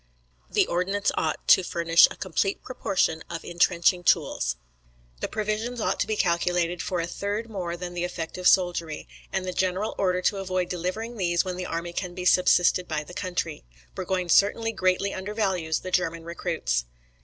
"The Ordnance ought to furnish a complete proportion of intrenching tools. "The provisions ought to be calculated for a third more than the effective soldiery, and the General ordered to avoid delivering these when the army can be subsisted by the country. Burgoyne certainly greatly undervalues the German recruits.